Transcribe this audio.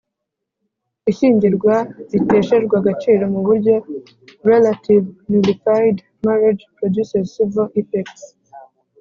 Ishyingirwa riteshejwe agaciro mu buryo Relative nullified marriage produces civil effects